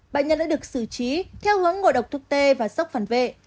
bệnh nhân đã được xử trí theo hướng ngồi độc thuốc t và sốc phản vệ